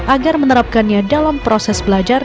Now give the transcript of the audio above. agar menerapkannya dalam proses belajar